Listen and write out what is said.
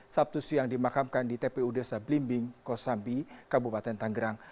sabtu siang dimakamkan di tpu desa blimbing kosambi kabupaten tanggerang